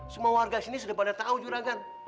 semua warga sini sudah pada tahu juranggan